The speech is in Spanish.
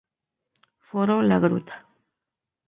Foro la Gruta.